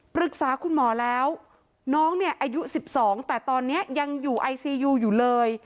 ปรึกษาคุณหมอแล้วน้องเนี่ยอายุ๑๒แต่ตอนนี้ยังอยู่ไอซียูอยู่เลย